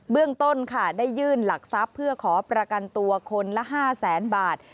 เรื่องต้นค่ะได้ยื่นหลักทรัพย์เพื่อขอประกันตัวคนละ๕แสนบาท